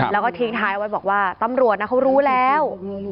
และทิ้งท้ายบอกว่าตำรวจเขารู้แล้ว